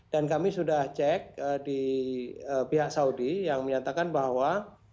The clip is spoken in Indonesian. dan kami sudah cek di pihak saudi yang menyatakan bahwa